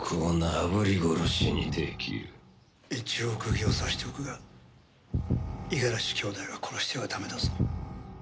一応釘を刺しておくが五十嵐兄妹は殺してはダメだぞ。